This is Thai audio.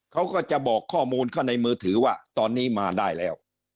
เขาก็จะบอกข้อมูลเข้าในมือถือว่าตอนนี้มาได้แล้ว